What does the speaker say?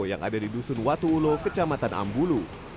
yang ada di dusun watu ulo kecamatan ambulu